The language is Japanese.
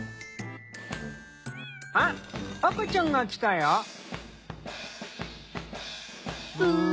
あっ赤ちゃんが来たよ。ぶん。